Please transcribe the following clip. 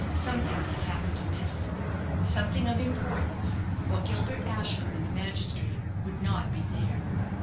Something had happened amiss something of importance or Gilbert Ashburne, the magistrate, would not be there.